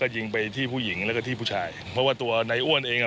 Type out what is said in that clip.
ยิงไปที่ผู้หญิงแล้วก็ที่ผู้ชายเพราะว่าตัวในอ้วนเองอ่ะ